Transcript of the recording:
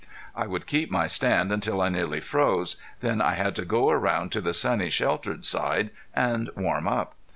I would keep my stand until I nearly froze, then I had to go around to the sunny sheltered side and warm up.